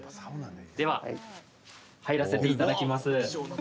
では、入らせていただきます。